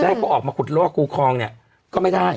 ให้เขาออกมาขุดลอกคูคลองเนี่ยก็ไม่ได้